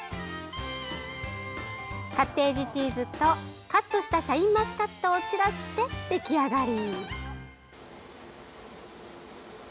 カッテージチーズとカットしたシャインマスカットを散らして、出来上がり。